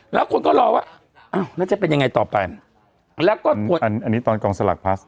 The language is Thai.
แล้วคนก็รอว่าอ้าวแล้วจะเป็นยังไงต่อไปแล้วก็อันนี้ตอนกองสลักพลัส